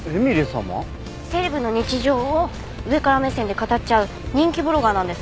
セレブの日常を上から目線で語っちゃう人気ブロガーなんです。